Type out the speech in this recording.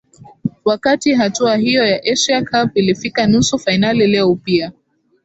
wakati hatua hiyo ya asia cup ilifika nusu fainali leo upia